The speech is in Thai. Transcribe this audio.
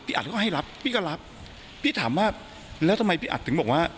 อัดก็ให้รับพี่ก็รับพี่ถามว่าแล้วทำไมพี่อัดถึงบอกว่า